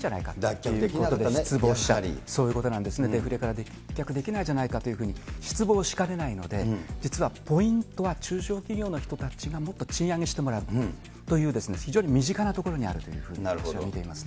脱却できなかったと失望したデフレから脱却できないじゃないかというふうに失望しかねないので、実はポイントは中小企業の人たちがもっと賃上げしてもらうという非常に身近なところにあるというふうに私は見ていますね。